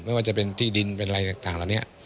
ไม่ว่าจะเป็นที่ดินเป็นอะไรต่างเหล่านี้